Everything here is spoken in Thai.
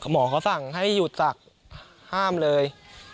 หมอเขาสั่งให้หยุดสักห้ามเลย